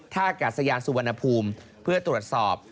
ท่ากาศยานสุวรรณภูมิเพื่อตรวจสอบ